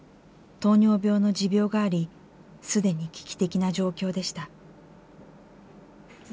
糖尿病の持病があり既に危機的な状況でした。